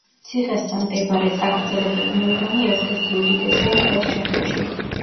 ციხესთან მდებარე წაგრძელებული მოედანი ერთ-ერთი უდიდესია მთელს ჩეხეთში.